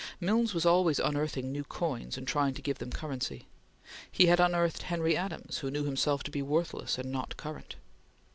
Milnes was always unearthing new coins and trying to give them currency. He had unearthed Henry Adams who knew himself to be worthless and not current.